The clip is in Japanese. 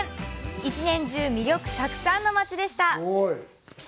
一年中、魅力たくさんの町でした！